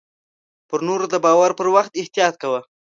پر نور د باور پر وخت احتياط کوه .